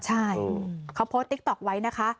ใช่เขาโพสต์ติ๊กต๊อกไว้นะคะ